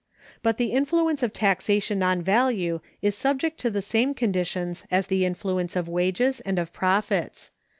But the influence of taxation on value is subject to the same conditions as the influence of wages and of profits.